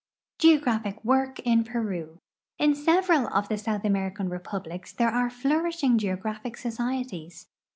GEOGRAPHIC WORK IN PERU In sev'eral of the South American republics there are flourishing geo graphic societies.